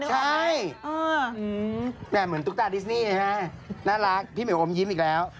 ใช่เหมือนตุ๊กตาดิสนี่นะฮะน่ารักพี่เหมียอมยิ้มอีกแล้ว